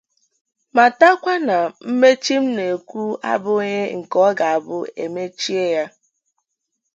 matakwa na mmechi m na-ekwu abụghị nke ọ ga-abụ e mechie ya